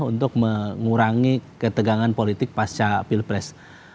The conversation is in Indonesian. untuk mengurangi ketegangan politik pasca pilpres